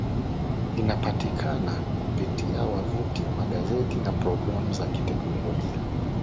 inapatikana kupitia Wavuti magazeti na programu za kiteknolojia